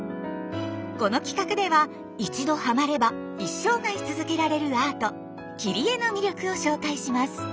この企画では一度ハマれば一生涯続けられるアート「切り絵」の魅力を紹介します。